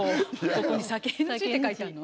ここに酒ＮＧって書いてあるの？